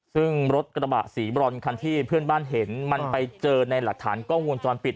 ซึ่งรถกระบะสีบรอนคันที่เพื่อนบ้านเห็นมันไปเจอในหลักฐานกล้องวงจรปิด